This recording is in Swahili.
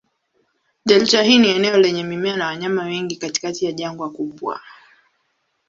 Delta hii ni eneo lenye mimea na wanyama wengi katikati ya jangwa kubwa.